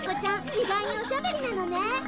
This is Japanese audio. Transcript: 意外におしゃべりなのね。